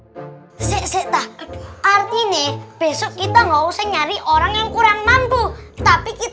hai sekseta arti nih besok kita nggak usah nyari orang yang kurang mampu tapi kita